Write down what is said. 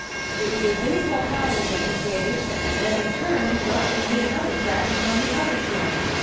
It was a dismal howl that he gave, and as he turned he got from me another crack upon the other shin.